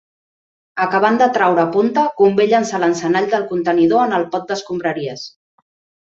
Acabant de traure punta, convé llençar l'encenall del contenidor en el pot d'escombraries.